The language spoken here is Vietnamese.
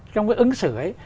trong cái ứng xử ấy